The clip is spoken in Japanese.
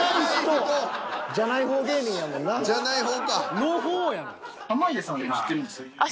じゃない方か。